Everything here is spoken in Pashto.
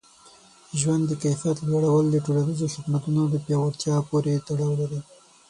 د ژوند د کیفیت لوړول د ټولنیزو خدمتونو په پیاوړتیا پورې تړاو لري.